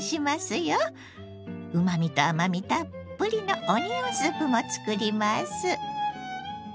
うまみと甘みたっぷりのオニオンスープも作ります。